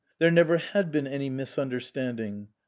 There never had been any misunderstanding.